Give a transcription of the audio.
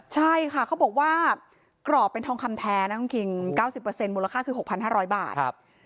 ใช่ค่ะเขาบอกว่ากรอบเป็นทองคำแท้นะคุณคิง๙๐มูลค่าคือ๖๕๐๐บาท